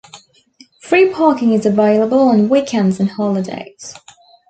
Free parking is available on weekends and holidays.